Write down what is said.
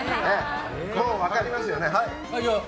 もう分かりますよね。